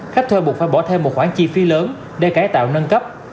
khách thuê buộc phải bỏ thêm một khoản chi phí lớn để cải tạo nâng cấp